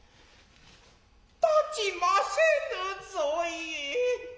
立ちませぬぞえ。